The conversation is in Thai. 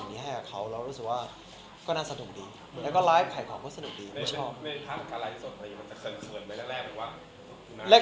ไม่ทักการไลฟ์ส่วนตัวเองมันจะเขินเผื่อไหมแรกหรือว่า